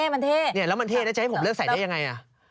มันเท่แล้วมันเท่จะให้ผมเลิกใส่ได้อย่างไร